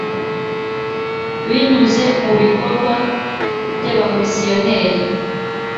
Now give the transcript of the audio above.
binyuze mubikorwa by abamisiyoneri